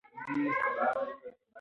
ما غوښتل چې د جمعې په ورځ ارام وکړم.